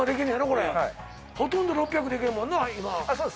これほとんど６００できるもんな今あっ